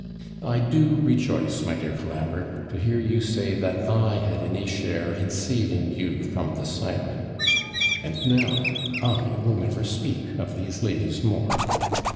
I do rejoice, my dear Lord Colambre, to hear you say that I had any share in saving you from the siren; and now, I will never speak of these ladies more.